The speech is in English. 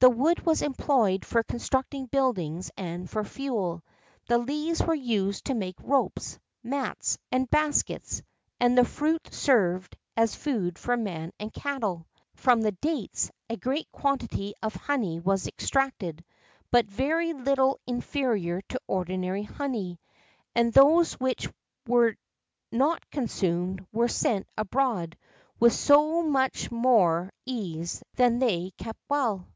The wood was employed for constructing buildings and for fuel; the leaves were used to make ropes, mats, and baskets; and the fruit served as food for man and cattle.[XII 48] From the dates a great quantity of honey was extracted, but very little inferior to ordinary honey;[XII 49] and those which were not consumed were sent abroad with so much the more ease that they keep well.